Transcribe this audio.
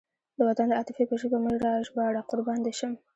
د وطن د عاطفې په ژبه مه راژباړه قربان دې شم.